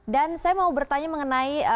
saya mau bertanya mengenai